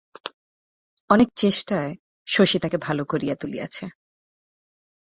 অনেক চেষ্টায় শশী তাকে ভালো করিয়া তুলিয়াছে।